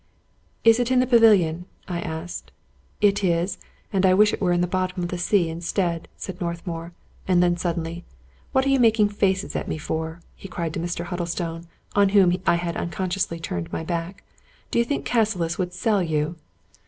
" Is it in the pavilion ?" I asked. " It is ; and I wish it were in the bottom of the sea in stead," said Northmour ; and then suddenly —" What are you making faces at me for ?" he cried to Mr. Huddlestone, on whom I had unconsciously turned my back. " Do you think Cassilis would sell you?"